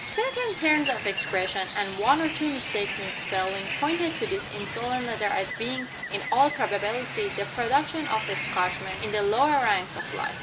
Certain turns of expression, and one or two mistakes in spelling, pointed to this insolent letter as being, in all probability, the production of a Scotchman, in the lower ranks of life.